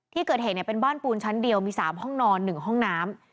ที่เกิดเหตุเนี้ยเป็นบ้านปูนชั้นเดียวมีสามห้องนอนหนึ่งห้องน้ำ